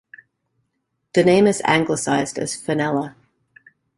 The name is anglicized as Fenella.